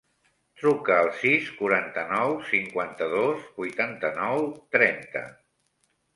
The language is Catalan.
Truca al sis, quaranta-nou, cinquanta-dos, vuitanta-nou, trenta.